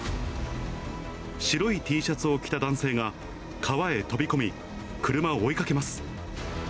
白いＴシャツを着た男性が、川へ飛び込み、車を追いかけます。